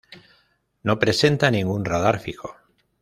No presenta ningún radar fijo.